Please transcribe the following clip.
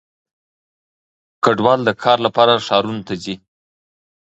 کډوال د کار لپاره ښارونو ته ځي.